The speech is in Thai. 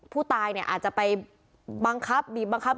ผู้ตายเนี่ยอาจจะไปบังคับบีบบังคับ